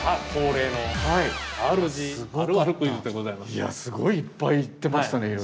いやすごいいっぱい行ってましたねいろいろ。